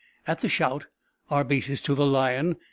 At the shout, "Arbaces to the lion!"